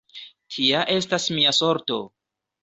Tia estas mia sorto!